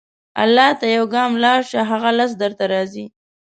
الله ته یو ګام لاړ شه، هغه لس درته راځي.